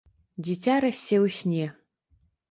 Дзіця расце ў сне.